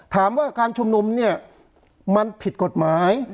ถามว่าการชุมนุมเนี่ยมันผิดกฎหมาย